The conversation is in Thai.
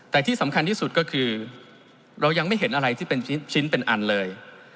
แต่ที่สำคัญที่สุดก็คือเรายังไม่เห็นอะไรที่เป็นชิ้นเป็นอันเลย